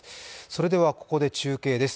それではここで中継です。